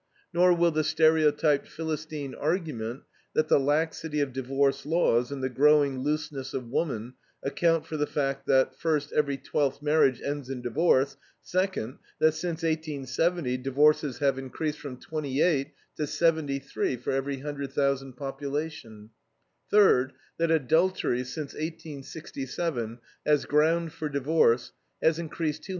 Nor will the stereotyped Philistine argument that the laxity of divorce laws and the growing looseness of woman account for the fact that: first, every twelfth marriage ends in divorce; second, that since 1870 divorces have increased from 28 to 73 for every hundred thousand population; third, that adultery, since 1867, as ground for divorce, has increased 270.